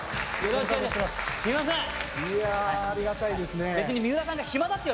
いやありがたいですね。